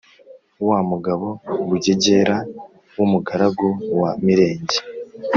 wa mugabo Bugegera w’umugaragu wa Mirenge